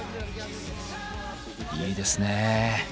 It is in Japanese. いいですね。